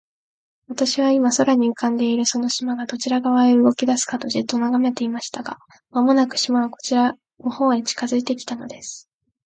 私は、今、空に浮んでいるその島が、どちら側へ動きだすかと、じっと眺めていました。が、間もなく、島はこちらの方へ近づいて来たのです。